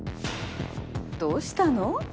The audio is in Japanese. どうしたの？